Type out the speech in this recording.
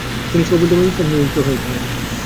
তিনি শেফিল্ডে ম্যাজিস্ট্রেট নিযুক্ত হয়েছিলেন।